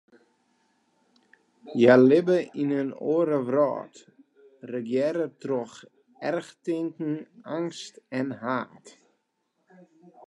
Hja libbe yn in oare wrâld, regearre troch erchtinken, eangst en haat.